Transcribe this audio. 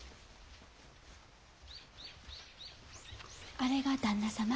あれが旦那様？